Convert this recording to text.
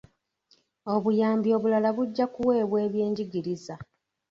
Obuyambi obulala bujja kuweebwa byenjigiriza.